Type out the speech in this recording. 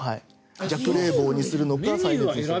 弱冷房にするのか再熱除湿にするのか。